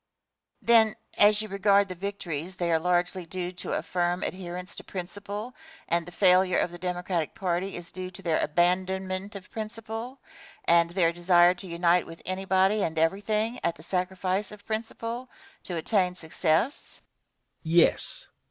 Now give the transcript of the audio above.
Then, as you regard the victories, they are largely due to a firm adherence to principle, and the failure of the Democratic party is due to their abandonment of principle, and their desire to unite with anybody and everything, at the sacrifice of principle, to attain success? Answer. Yes.